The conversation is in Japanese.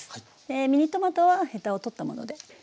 ミニトマトはヘタを取ったものではい。